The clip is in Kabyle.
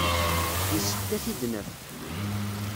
Yessefk ad t-id-naf.